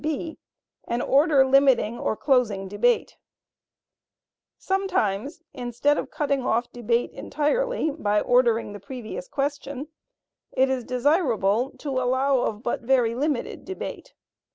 (b) An order limiting or closing debate. Sometimes, instead of cutting off debate entirely by ordering the previous question, it is desirable to allow of but very limited debate.